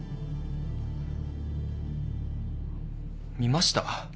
見ました。